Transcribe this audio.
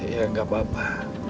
ya enggak apa apa